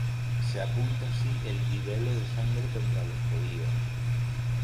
Se apunta así el libelo de sangre contra los judíos.